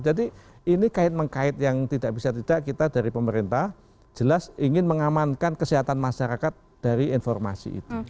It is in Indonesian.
jadi ini kait mengkait yang tidak bisa tidak kita dari pemerintah jelas ingin mengamankan kesehatan masyarakat dari informasi itu